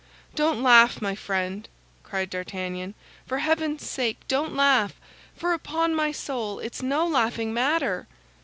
"Don't laugh, my friend!" cried D'Artagnan; "for heaven's sake, don't laugh, for upon my soul, it's no laughing matter!"